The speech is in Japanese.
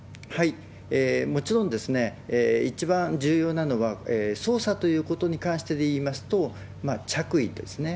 もちろん、一番重要なのは捜査ということに関してで言いますと、着衣ですね。